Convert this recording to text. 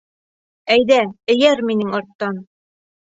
— Әйҙә, эйәр минең арттан.